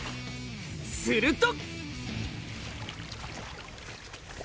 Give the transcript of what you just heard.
すると！